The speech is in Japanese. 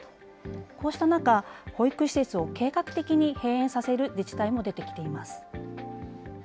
こうした中、保育施設を計画的に閉園させる自治体も出てきています。